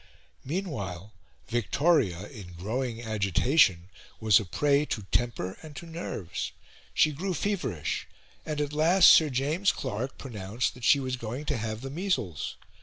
Meanwhile Victoria, in growing agitation, was a prey to temper and to nerves. She grew feverish, and at last Sir James Clark pronounced that she was going to have the measles.